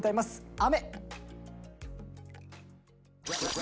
「雨」。